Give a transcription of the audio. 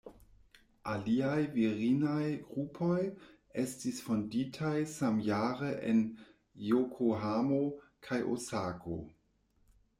Aliaj virinaj grupoj estis fonditaj samjare en Jokohamo kaj Osako.